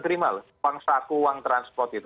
diperlukan uang saku uang transport itu